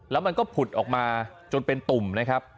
แล้วมันก็ผุดออกมาจนเป็นตุ่มนะครับ